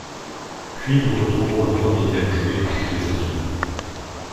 Puis nous retrouvons le premier thème joué par tous les instruments.